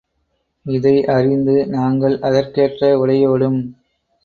இதை அறிந்து, நாங்கள் அதற்கேற்ற உடையோடும்.